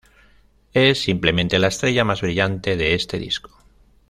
Es simplemente la estrella más brillante de este disco.